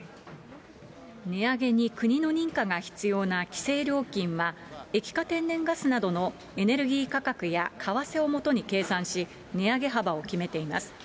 値上げに国の認可が必要な規制料金は、液化天然ガスなどのエネルギー価格や為替をもとに計算し、値上げ幅を決めています。